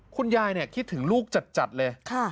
คุณยายคิดถึงลูกจัดเลย